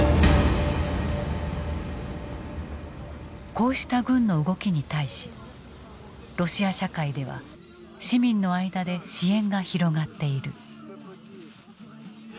こうした軍の動きに対しロシア社会では市民の間で支援が広がっている。